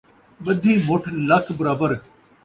ٻدھی مُٹھ لکھ برابر